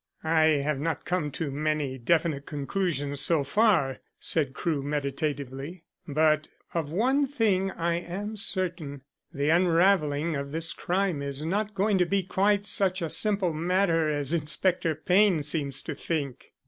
"I have not come to many definite conclusions so far," said Crewe meditatively. "But of one thing I am certain. The unravelling of this crime is not going to be quite such a simple matter as Inspector Payne seems to think."